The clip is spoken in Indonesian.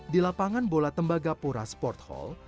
di lapangan bola tembagapura sport hall